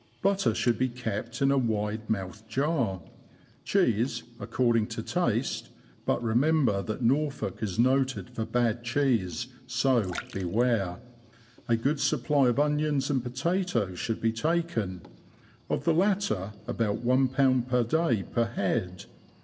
Butter should be kept in a wide mouthed jar. Cheese, according to taste ; but remember that Norfolk is noted for bad cheese, so beware ! A good supply of onions and potatoes should be taken ; of the latter^ about lib. per day per head.